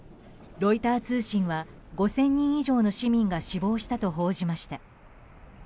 ロイター通信は５０００人以上の市民が死亡したと報じました。